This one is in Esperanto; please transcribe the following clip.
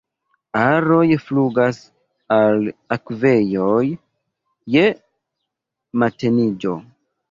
Aroj flugas al akvejoj je mateniĝo.